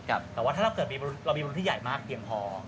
แต่ว่าถ้าเราเกิดเรามีบุญที่ใหญ่มากเพียงพอ